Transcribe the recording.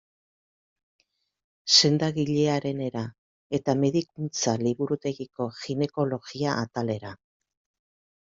Sendagilearenera eta medikuntza-liburutegiko ginekologia atalera.